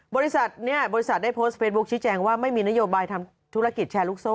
บริษัทเนี่ยบริษัทได้โพสต์เฟซบุ๊คชี้แจงว่าไม่มีนโยบายทำธุรกิจแชร์ลูกโซ่